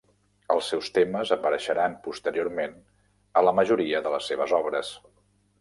Els seus temes apareixeran posteriorment a la majoria de les seves obres.